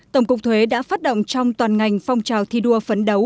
tổng cục thuế đã phát động trong toàn ngành phong trào thi đua phấn đấu